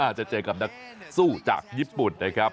จะเจอกับนักสู้จากญี่ปุ่นนะครับ